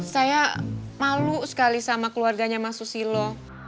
saya malu sekali sama keluarganya mas susilo